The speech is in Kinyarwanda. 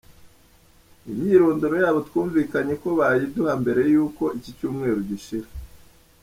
Imyirondoro yabo twumvikanye ko bayiduha mbere y’uko iki cyumweru gishira.